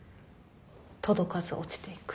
届かず落ちていく。